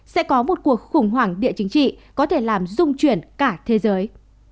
sẽ có một cuộc khủng hoảng địa chính trị có thể làm dung chuyển cả thế giới